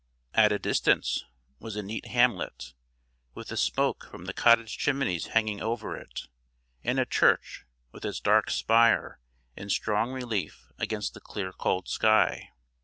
At a distance was a neat hamlet, with the smoke from the cottage chimneys hanging over it; and a church with its dark spire in strong relief against the clear cold sky.